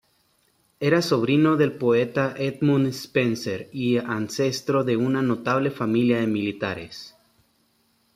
Era sobrino del poeta Edmund Spenser y ancestro de una notable familia de militares.